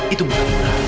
itu bukan laras